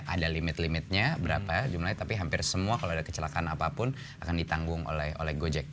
ada limit limitnya berapa jumlahnya tapi hampir semua kalau ada kecelakaan apapun akan ditanggung oleh gojek